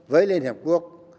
với liên hiệp quốc